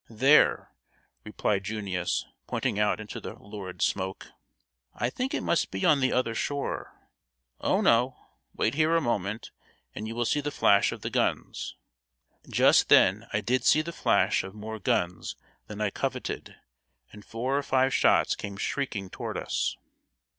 "There," replied "Junius," pointing out into the lurid smoke. "I think it must be on the other shore." "Oh, no! wait here a moment, and you will see the flash of the guns." Just then I did see the flash of more guns than I coveted, and four or five shots came shrieking toward us.